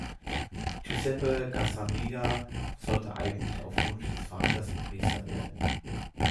Giuseppe Gazzaniga sollte eigentlich auf Wunsch des Vaters Priester werden.